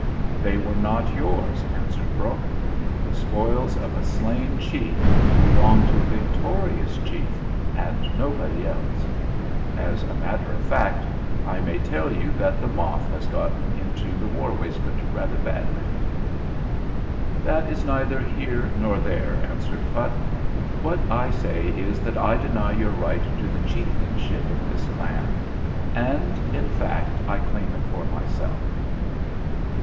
"They were not yours," answered Brok. "The spoils of a slain chief belong to the vic torious chief and nobody else. As a matter of fact, I may tell you that the moth has got into the war waistcoat rather badly." "That is neither here nor there," answered Phutt. "What I say is that I deny your right to the chieftainship of this clan; and, in fact, I claim it for myself."